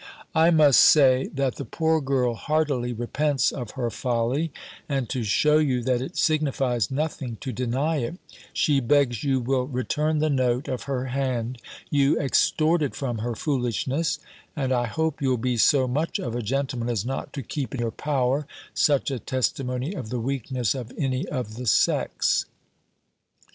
I must say, that the poor girl heartily repents of her folly; and, to shew you, that it signifies nothing to deny it, she begs you will return the note of her hand you extorted from her foolishness; and I hope you'll be so much of a gentleman, as not to keep in your power such a testimony of the weakness of any of the sex."